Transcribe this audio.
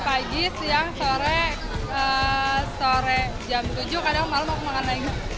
pagi siang sore sore jam tujuh kadang malam mau makan lagi